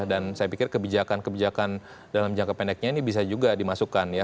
dan saya pikir kebijakan kebijakan dalam jangka pendeknya ini bisa juga dimasukkan ya